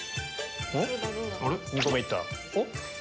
２個目いった。